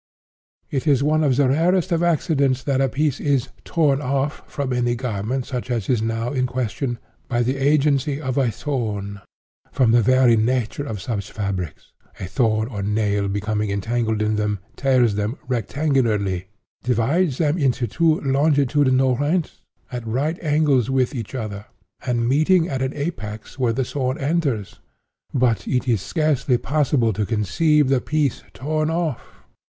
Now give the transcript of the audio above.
It is one of the rarest of accidents that a piece is 'torn off,' from any garment such as is now in question, by the agency of a thorn. From the very nature of such fabrics, a thorn or nail becoming entangled in them, tears them rectangularly—divides them into two longitudinal rents, at right angles with each other, and meeting at an apex where the thorn enters—but it is scarcely possible to conceive the piece 'torn off.